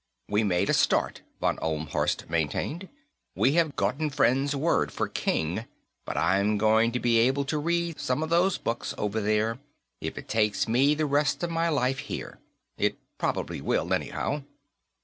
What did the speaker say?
"We made a start," von Ohlmhorst maintained. "We have Grotefend's word for 'king.' But I'm going to be able to read some of those books, over there, if it takes me the rest of my life here. It probably will, anyhow."